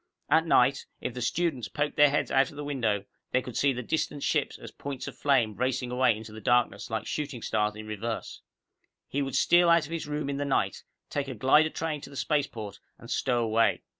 At night, if the students poked their heads out of the window, they could see the distant ships as points of flame racing away into the darkness, like shooting stars in reverse. He would steal out of his room in the night, take a glider train to the spaceport, and stow away.